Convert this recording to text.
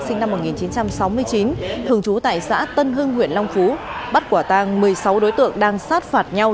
sinh năm một nghìn chín trăm sáu mươi chín thường trú tại xã tân hưng huyện long phú bắt quả tang một mươi sáu đối tượng đang sát phạt nhau